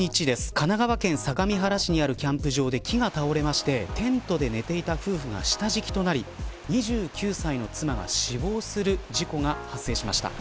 神奈川県相模原市にあるキャンプ場で木が倒れてテントで寝ていた夫婦が下敷きとなり２９歳の妻が死亡する事故が発生しました。